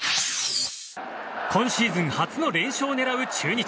今シーズン初の連勝を狙う中日。